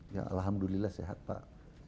ya alhamdulillah sehat pak